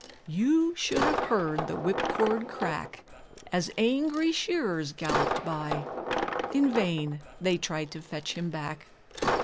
..... You should have heard the whipcord crack As angry shearers galloped by, In vain they tried to fetch him back.